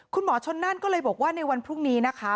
คุณหมอชนนั่นก็เลยบอกว่าในวันพรุ่งนี้นะคะ